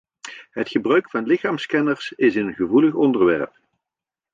Het gebruik van lichaamsscanners is een gevoelig onderwerp.